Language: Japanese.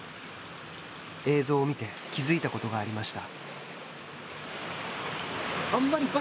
映像を見て気が付いたことがありました。